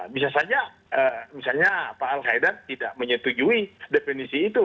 bisa saja misalnya pak al qaedar tidak menyetujui definisi itu